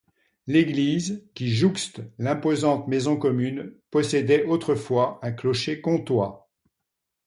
L'église, qui jouxte l'imposante Maison commune, possédait autrefois un clocher comtois.